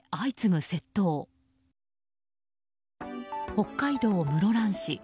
北海道室蘭市。